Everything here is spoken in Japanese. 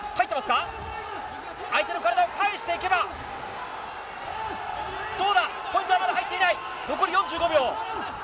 相手の体を返していけば、ポイントはまだ入っていない、残り４５秒。